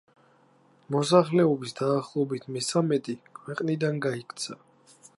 მოსახლეობის დაახლოებით მესამედი ქვეყნიდან გაიქცა.